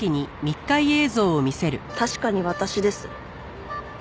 確かに私です。